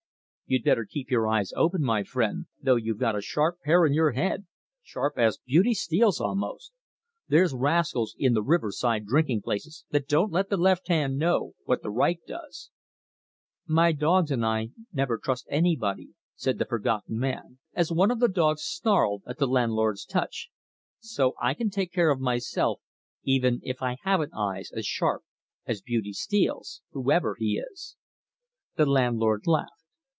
"You'd better keep your eyes open, my friend, though you've got a sharp pair in your head sharp as Beauty Steele's almost. There's rascals in the river side drinking places that don't let the left hand know what the right does." "My dogs and I never trust anybody," said the Forgotten Man, as one of the dogs snarled at the landlord's touch. "So I can take care of myself, even if I haven't eyes as sharp as Beauty Steele's, whoever he is." The landlord laughed.